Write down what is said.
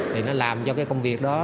thì nó làm cho cái công việc đó